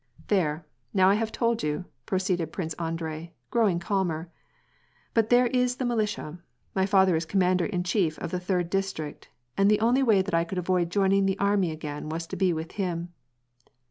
There, now I have told you," proceeded Prince Andrei, growing calmer. "But there is the militia; my father is commander in chief of the third district, and the only way that I could avoid joining the army again was to be with him."